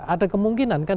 ada kemungkinan kan